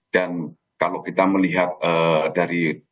dan kalau kita melihat dari